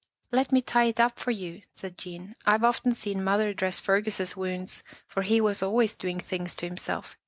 Let me tie it up for you," said Jean. " I've often seen mother dress Fergus' wounds, for he was always doing things to himself.